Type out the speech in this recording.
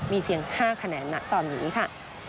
มีเพียง๕คะแนนนะตอนนี้ค่ะ